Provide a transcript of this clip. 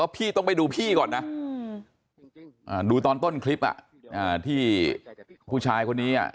พี่ต้องไปดูพี่ก่อนนะดูตอนต้นคลิปที่ผู้ชายคนนี้